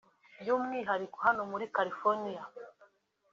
by’umwihariko hano muri California